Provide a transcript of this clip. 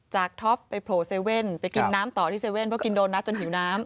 จากท็อปไปโพล๗ไปกินน้ำต่อที่๗เพราะกินโดนัทจนหิวน้ำ